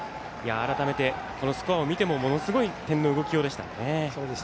改めて、スコアを見てもものすごい点の動きようでしたね。